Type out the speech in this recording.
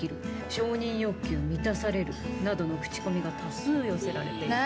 承認欲求満たされるなどの口コミが多数寄せられていた。